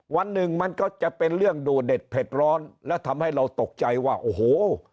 วันหนึ่งมันก็จะเป็นเรื่องดูเด็ดเผ็ดร้อนและทำให้เราตกใจว่าโอ้โห